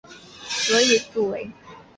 何以速为。